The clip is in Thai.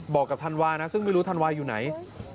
บอกกับธันวานะซึ่งไม่รู้ธันวาอยู่ไหน